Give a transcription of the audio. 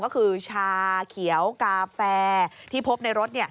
ก็คือชาเขียวกาแฟที่พบในรถ